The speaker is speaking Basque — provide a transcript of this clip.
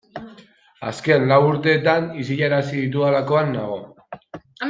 Azken lau urteetan isilarazi ditudalakoan nago.